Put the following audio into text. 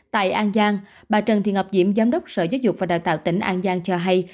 tại an giang bà trần thị ngọc diễm giám đốc sở giáo dục và đào tạo tỉnh an giang cho hay